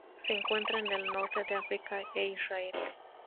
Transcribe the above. Se encuentra en el Norte de África e Israel.